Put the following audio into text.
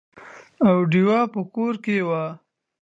او ډېوه به کور وه،